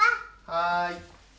はい。